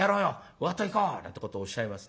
ワッといこう」なんてことをおっしゃいますね。